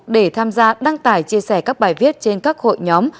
để tham gia đăng tải chia sẻ các bài viết trên các hội nhóm